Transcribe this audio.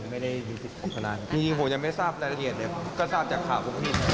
ไม่ได้พบทนายจริงจริงผมยังไม่ทราบรายละเอียดเนี่ยก็ทราบจากข่าวพวกพี่